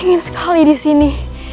dingin sekali disini